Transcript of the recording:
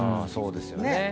そうですよね。